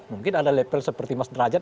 mungkin ada level seperti mas derajat